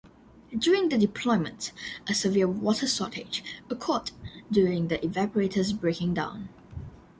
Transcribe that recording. During the deployment, a severe water shortage occurred due to evaporators breaking down.